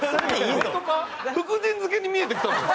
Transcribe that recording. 福神漬けに見えてきたもん。